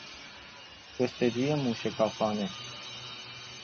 جستجوی موشکافانه